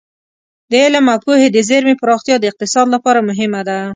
د علم او پوهې د زېرمې پراختیا د اقتصاد لپاره مهمه ده.